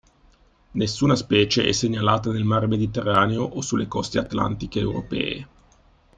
Nessuna specie è segnalata nel mar Mediterraneo o sulle coste atlantiche europee.